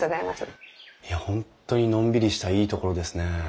いや本当にのんびりしたいいところですね。